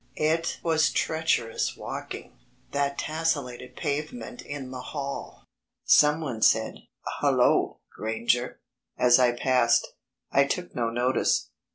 It was treacherous walking, that tessellated pavement in the hall. Someone said: "Hullo, Granger," as I passed. I took no notice.